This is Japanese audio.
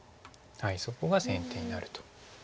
そこが先手になると。